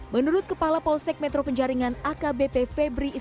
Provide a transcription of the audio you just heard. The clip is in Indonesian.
menurut kepala polsek metro penjaringan akbpv